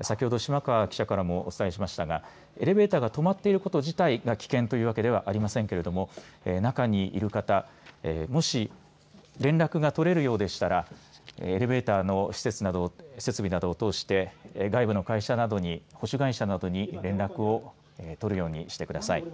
先ほど島川記者からもお伝えしましたがエレベーターが止まっていること自体が危険というわけではありませんけれども中にいる方もし連絡が取れるようでしたらエレベーターの設備などをとおして外部の会社などに連絡を取るようにしてください。